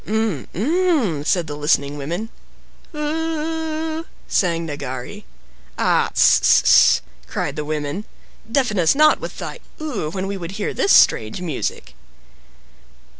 "M! m!" said the listening women. "U u u u," sang Nagari. "Ah, ss ss ss!" cried the women. "Deafen us not with thy 'U,' when we would hear this strange music!"